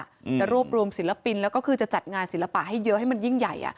จะรวบรวมศิลปินแล้วก็คือจะจัดงานศิลปะให้เยอะให้มันยิ่งใหญ่อ่ะ